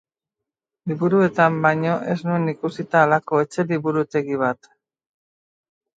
Liburuetan baino ez nuen ikusia halako etxe-liburutegi bat.